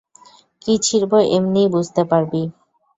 কী ছিড়বো এমনিই বুঝতে পারবি!